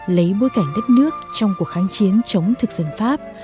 lấy bối cảnh đất nước trong cuộc kháng chiến chống thực dân pháp